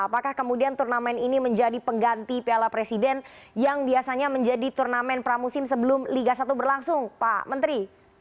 apakah kemudian turnamen ini menjadi pengganti piala presiden yang biasanya menjadi turnamen pramusim sebelum liga satu berlangsung pak menteri